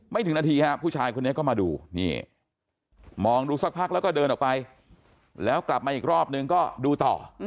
ถึงนาทีฮะผู้ชายคนนี้ก็มาดูนี่มองดูสักพักแล้วก็เดินออกไปแล้วกลับมาอีกรอบนึงก็ดูต่อ